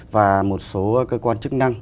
và một số cơ quan chức năng